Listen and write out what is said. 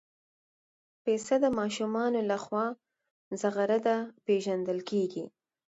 پسه د ماشومانو لخوا زغرده پېژندل کېږي.